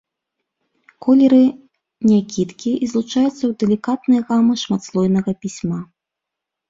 Колеры някідкія і злучаюцца ў далікатныя гамы шматслойнага пісьма.